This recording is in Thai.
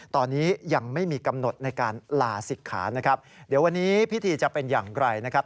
ตอนนี้ยังไม่มีกำหนดในการลาศิกขานะครับเดี๋ยววันนี้พิธีจะเป็นอย่างไรนะครับ